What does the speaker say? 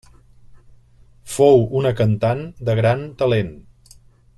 Fou una cantant de gran talent.